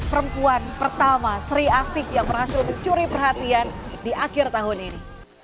perempuan pertama sri asik yang berhasil mencuri perhatian di akhir tahun ini